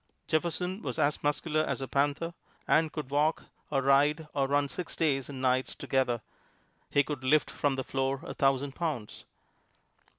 Jefferson was as muscular as a panther and could walk or ride or run six days and nights together. He could lift from the floor a thousand pounds.